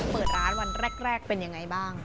เปิดร้านวันแรกเป็นยังไงบ้าง